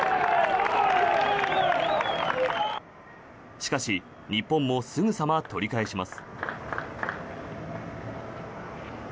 しかし、日本もすぐさま取り返します。